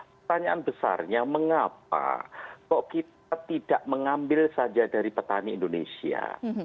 pertanyaan besarnya mengapa kok kita tidak mengambil saja dari petani indonesia